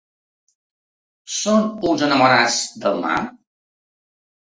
Són uns enamorats del mar?